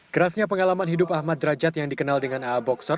kerasnya pengalaman hidup ahmad derajat yang dikenal dengan aa boxor